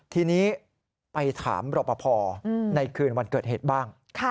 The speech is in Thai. ทีนี้ไปถามรอปภในคืนวันเกิดเหตุบ้าง